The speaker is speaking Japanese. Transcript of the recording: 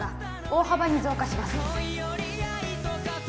大幅に増加します